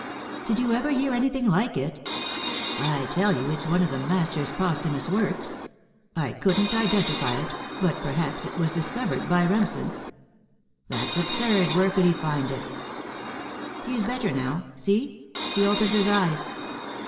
"Did you ever hear anything like it?" "I tell you, it's one of the master's posthumous works. I couldn't identify it, but perhaps it was discovered by Remsen." "That's absurd! Where could he find it?" "He's better now. See, he opens his eyes."